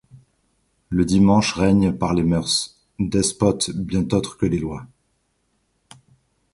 Le dimanche règne par les mœurs, despotes bien autres que les lois.